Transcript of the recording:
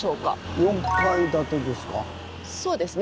４階建てですか。